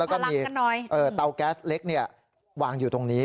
แล้วก็มีเตาแก๊สเล็กวางอยู่ตรงนี้